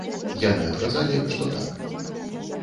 Яны адказалі, што, так.